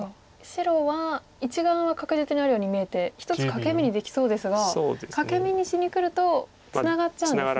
白は１眼は確実にあるように見えて１つ欠け眼にできそうですが欠け眼にしにくるとツナがっちゃうんですね上辺と。